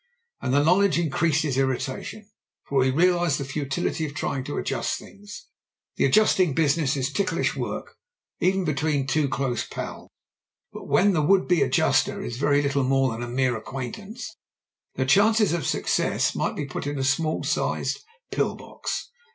And the knowledge increased his irritation, for he realised the futility of trying to adjust things. That adjusting business is ticklish work even between two dose pals; but when the would be adjuster is very little more than a mere acquaintance, the chances of success might be put in a small sized pill box.